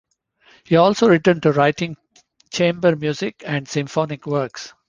He also returned to writing chamber music and symphonic works.